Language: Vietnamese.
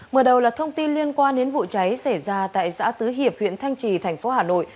mở đầu là thông tin liên quan đến vụ cháy xảy ra tại giã tứ hiệp huyện thanh trì thành phố hà nội